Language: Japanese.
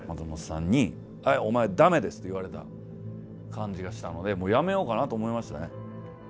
松本さんに「はいお前駄目です」って言われた感じがしたのでもうやめようかなと思いましたね。